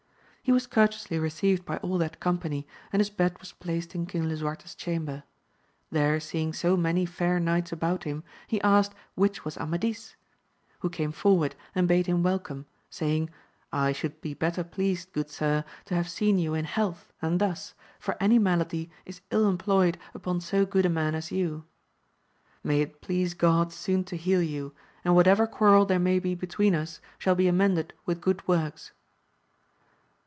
He was courteously received by all that company, and his bed was placed in King Lisuarte's chamber. There seeing so many fair knights about him, he asked which was Amadis ? who came forward and bade him welcome, saying, I should be better pleased, good sir, to have seen you in health than thus, for any malady is ill em ployed upon so good a man as you ; may it please God soon to heal you, and whatever quarrel there may be between us, shall be amended with good works.